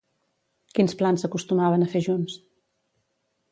Quins plans acostumaven a fer junts?